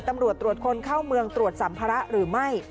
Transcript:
ตำรวจตรวจคนเข้าเมืองตรวจสัมภาระหรือไม่